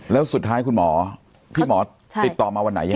แล้วสุดท้ายคุณหมอพี่หมอติดต่อมาวันไหน